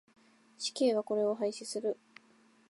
死刑はこれを廃止する。